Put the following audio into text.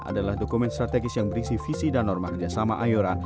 adalah dokumen strategis yang berisi visi dan norma kerjasama ayora